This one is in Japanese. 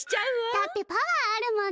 だってパワーあるもんね。